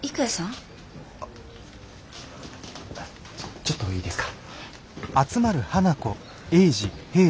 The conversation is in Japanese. ちょっといいですか？